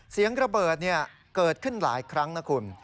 เสียงระเบิดเกิดขึ้นหลายครั้งนะคุณ